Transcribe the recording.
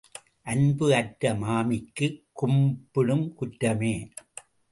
அன்பு அற்ற மாமிக்குக் கும்பிடும் குற்றமே.